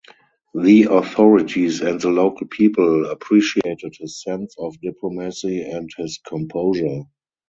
The authorities and the local people appreciated his sense of diplomacy and his composure.